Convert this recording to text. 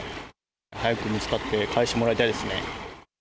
早く見つかって、返してもらいたいですね。